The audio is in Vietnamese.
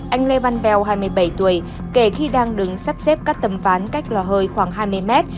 anh lê văn bèo hai mươi bảy tuổi kể khi đang đứng sắp xếp các tấm ván cách lò hơi khoảng hai mươi mét